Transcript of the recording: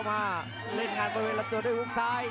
ตามต่อไป